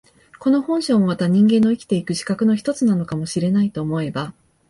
この本性もまた人間の生きて行く資格の一つなのかも知れないと思えば、